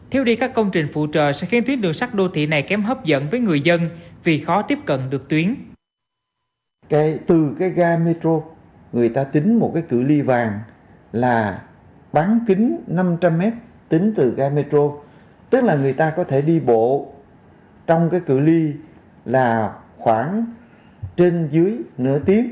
thiếu đi các công trình phụ trợ sẽ khiến tuyến đường sát đô thị này kém hấp dẫn với người dân vì khó tiếp cận được tuyến